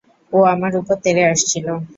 ও আমার উপর তেড়ে আসছিল।